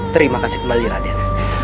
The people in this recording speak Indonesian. terima kasih kembali raden